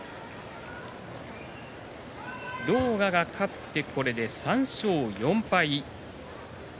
狼雅が勝って、これで３勝４敗。